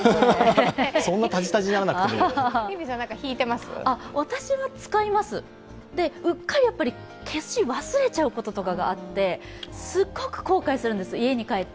そんな、タジタジにならなくても私は使います、うっかり消し忘れちゃうこととかあってすごく後悔するんです、家に帰って。